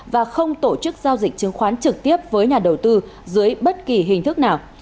và không tổ chức giao dịch chứng khoán trực tiếp với nhà đầu tư dưới bất kỳ hình thức nào